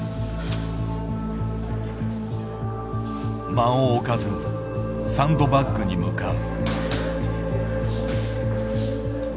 間を置かずサンドバッグに向かう。